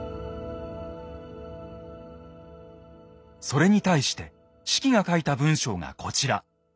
それに対して子規が書いた文章がこちら。